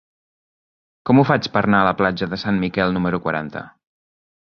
Com ho faig per anar a la platja de Sant Miquel número quaranta?